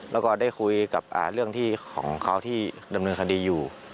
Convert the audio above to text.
แล้วก็ได้คุยกับเรื่องที่ของเขาที่ดำเนินคดีอยู่